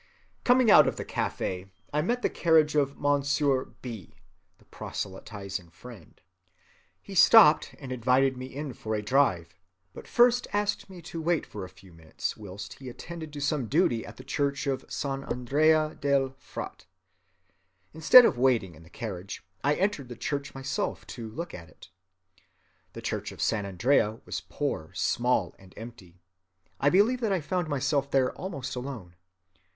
"Coming out of the café I met the carriage of Monsieur B. [the proselyting friend]. He stopped and invited me in for a drive, but first asked me to wait for a few minutes whilst he attended to some duty at the church of San Andrea delle Fratte. Instead of waiting in the carriage, I entered the church myself to look at it. The church of San Andrea was poor, small, and empty; I believe that I found myself there almost alone.